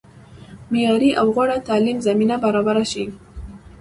معیاري او غوره تعلیم زمینه برابره شي.